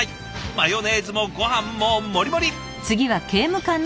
マヨネーズもごはんも盛り盛り！